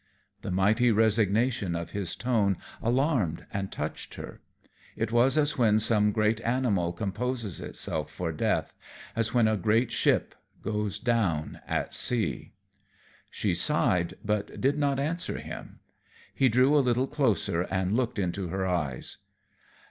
The mighty resignation of his tone alarmed and touched her. It was as when some great animal composes itself for death, as when a great ship goes down at sea. She sighed, but did not answer him. He drew a little closer and looked into her eyes.